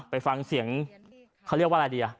ไปฟังเสียงเขาเรียกว่าอะไรดี